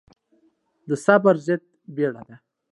د صبر ضد بيړه ده.